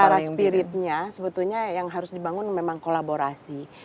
secara spiritnya sebetulnya yang harus dibangun memang kolaborasi